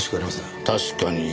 確かに。